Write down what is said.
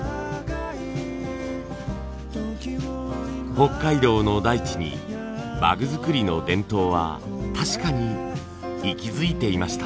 北海道の大地に馬具作りの伝統は確かに息づいていました。